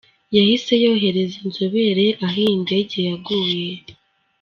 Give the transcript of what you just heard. yahise yohereza inzobere aho iyi ndege yaguye.